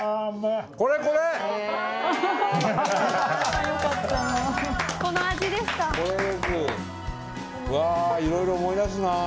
うわいろいろ思い出すなぁ。